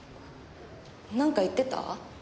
なんか言ってた？